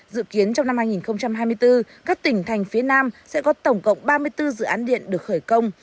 dự kiến trong năm hai nghìn hai mươi bốn các tỉnh thành phía nam sẽ có tổng cộng ba mươi bốn dự án điện được khởi công